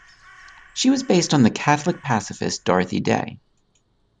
She was based on the Catholic pacifist Dorothy Day.